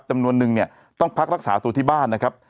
จำนวนนึงเนี่ยต้องพักรักษาตัวที่บ้านนะครับ